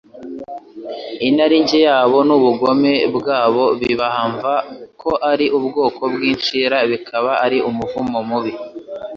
inarinjye yabo n'ubugome bwa bo bibahamva ko ari ubwoko bw'inshira bikaba ari umuvumo mubi